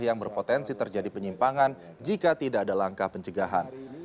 yang berpotensi terjadi penyimpangan jika tidak ada langkah pencegahan